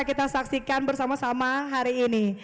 kita saksikan bersama sama hari ini